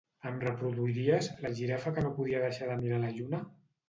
Em reproduiries "La girafa que no podia deixar de mirar la lluna"?